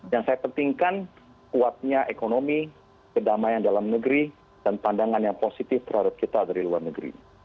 yang saya pentingkan kuatnya ekonomi kedamaian dalam negeri dan pandangan yang positif terhadap kita dari luar negeri